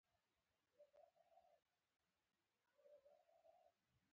ما په هماغه وخت کې صلیبي فتنه په پنجاب کې غوښته.